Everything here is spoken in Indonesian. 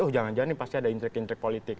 oh jangan jangan ini pasti ada intrik intrik politik